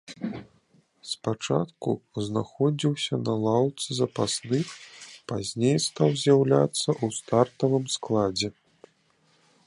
Спачатку знаходзіўся на лаўцы запасных, пазней стаў з'яўляцца ў стартавым складзе.